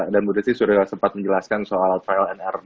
dan bu yesi sudah sempat menjelaskan soal trial and error